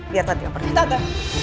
biar tante yang pergi tante